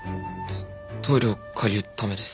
トイレを借りるためです。